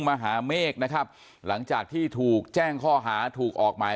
มหาเมฆนะครับหลังจากที่ถูกแจ้งข้อหาถูกออกหมาย